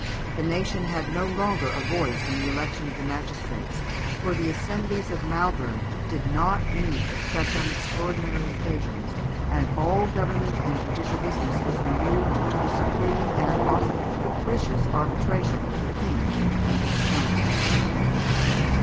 The nation had no longer a voice in the election of the magistrates, for the assemblies of Malberg did not meet except on extraordinary occasions, and all government and judicial business was removed to the supreme and often capricious arbitration of the King and his council.